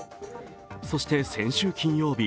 そして先週金曜日。